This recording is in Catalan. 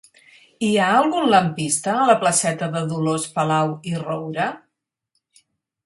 Hi ha algun lampista a la placeta de Dolors Palau i Roura?